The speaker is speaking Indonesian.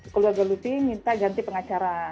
keluarga lutfi minta ganti pengacara